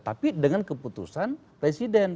tapi dengan keputusan presiden